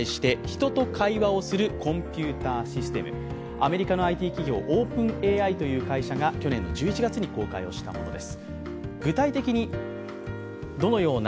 アメリカのＩＴ企業、ＯｐｅｎＡＩという会社が去年１１月に公開したものです。